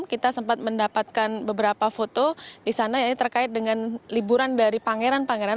kita sempat mendapatkan beberapa foto di sana ini terkait dengan liburan dari pangeran pangeran